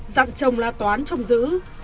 dặm chồng là toán trồng giữ